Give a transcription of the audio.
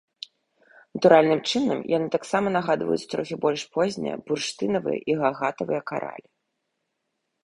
Натуральным чынам яны таксама нагадваюць трохі больш познія бурштынавыя і гагатавыя каралі.